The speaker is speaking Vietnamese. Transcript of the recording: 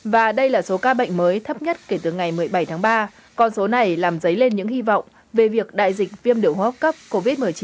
và đây là số ca bệnh mới thấp nhất kể từ ngày một mươi bảy tháng ba con số này làm giấy lên những hy vọng về việc đại dịch viêm điểm hốp cấp covid một mươi chín